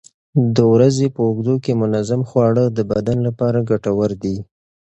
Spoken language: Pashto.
د ورځې په اوږدو کې منظم خواړه د بدن لپاره ګټور دي.